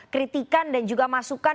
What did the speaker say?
kritikan dan juga masukan